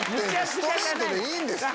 ストレートでいいんですって。